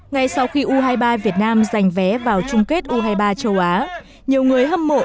ngay sau khi u hai mươi ba việt nam giành vé vào chung kết u hai mươi ba châu á nhiều người hâm mộ